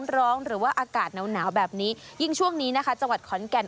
ร้อนหรือว่าอากาศหนาวแบบนี้ยิ่งช่วงนี้นะคะจังหวัดขอนแก่น